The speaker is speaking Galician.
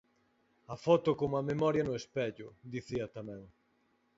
"A foto como a memoria no espello", dicía tamén.